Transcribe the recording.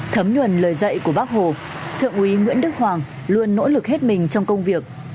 thấm nhuần lời dạy của bác hồ thượng úy nguyễn đức hoàng luôn nỗ lực hết mình trong công việc